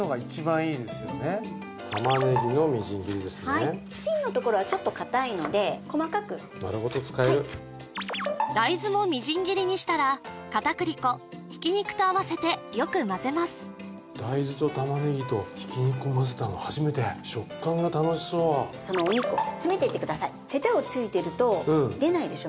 玉ねぎのみじん切りですねはい芯のところはちょっと硬いので細かく丸ごと使える大豆もみじん切りにしたら片栗粉ひき肉と合わせてよくまぜます大豆と玉ねぎとひき肉をまぜたの初めてそのお肉を詰めていってくださいヘタをついてると出ないでしょ